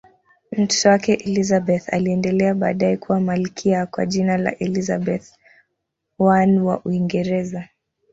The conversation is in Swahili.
Mtoto wake Elizabeth aliendelea baadaye kuwa malkia kwa jina la Elizabeth I wa Uingereza.